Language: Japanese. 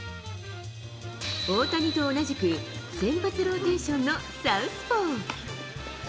大谷と同じく、先発ローテーションのサウスポー。